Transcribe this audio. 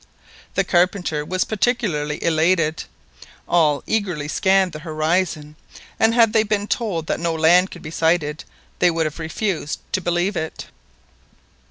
The carpenter was particularly elated; all eagerly scanned the horizon, and had they been told that no land could be sighted, they would have refused to believe it.